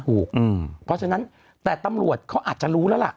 เพราะฉะนั้นแต่ตำรวจเขาอาจจะรู้แล้วล่ะ